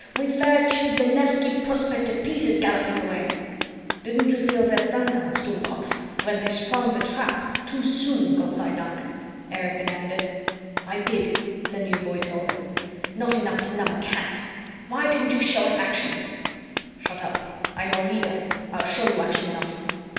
We fair chewed the Nevsky Prospekt to pieces galloping away." "Didn't you feel their stun guns, Dummkopf, when they sprung the trap too soon, Gott sei Dank?" Erich demanded. "I did," the New Boy told him. "Not enough to numb a cat. Why didn't you show us action?" "Shut up. I'm your leader. I'll show you action enough."